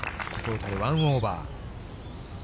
トータル１オーバー。